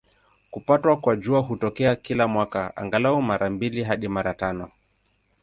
Kupatwa kwa Jua hutokea kila mwaka, angalau mara mbili hadi mara tano.